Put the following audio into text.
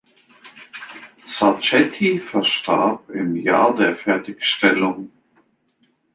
Sacchetti verstarb im Jahr der Fertigstellung.